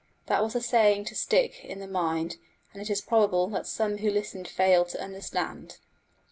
That was a saying to stick in the mind, and it is probable that some who listened failed to understand.